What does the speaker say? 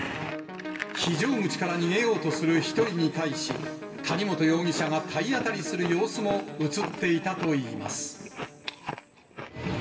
非常口から逃げようとする１人に対し、谷本容疑者が体当たりする様子も写っていたといいます。